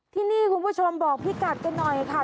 ที่นี่คุณผู้ชมบอกพี่กัดกันหน่อยค่ะ